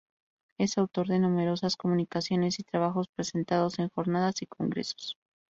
Es autor de numerosas comunicaciones y trabajos presentados en jornadas y congresos.